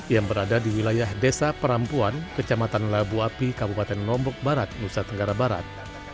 yang berada di wilayah desa perampuan kecamatan labu api kabupaten lombok barat nusa tenggara barat